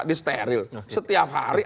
di steril setiap hari